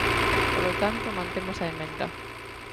Polo tanto, mantemos a emenda.